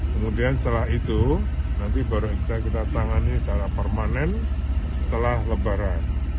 kemudian setelah itu nanti baru kita tangani secara permanen setelah lebaran